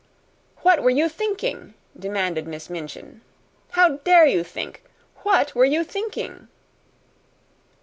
"What were you thinking?" demanded Miss Minchin. "How dare you think? What were you thinking?"